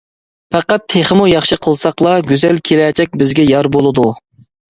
پەقەت تېخىمۇ ياخشى قىلساقلا، گۈزەل كېلەچەك بىزگە يار بولىدۇ.